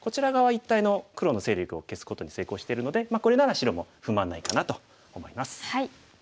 一帯の黒の勢力を消すことに成功してるのでこれなら白も不満ないかなと思います。